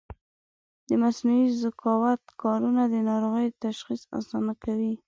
د مصنوعي ذکاوت کارونه د ناروغیو تشخیص اسانه کوي.